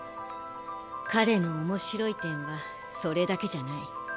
彼の面白い点はそれだけじゃない。